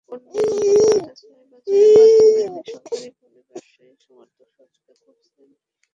পণ্যের গুণগত মান যাচাই-বাচাইয়ে মাধ্যমে সরকারিভাবে ব্যবসায়ীদের সর্বাত্মক সহযোগিতা করছে কনস্যুলেট।